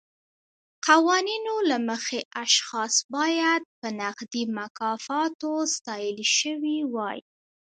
قوانینو له مخې اشخاص باید په نغدي مکافاتو ستایل شوي وای.